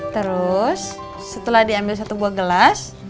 terus setelah diambil satu buah gelas